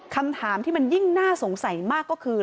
คำถามที่มันยิ่งน่าสงสัยมากก็คือ